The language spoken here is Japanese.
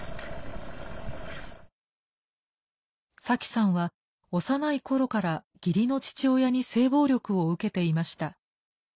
サキさんは幼い頃から義理の父親に性暴力を受けていました。